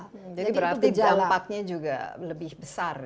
jadi berarti dampaknya juga lebih besar